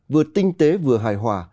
vừa tinh tế vừa hài hòa